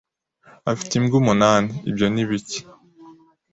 Afite imbwa umunani. Ibyo ni bike.